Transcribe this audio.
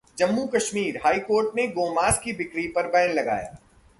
Jammu-Kashmir: high court ने गोमांस की बिक्री पर बैन लगाया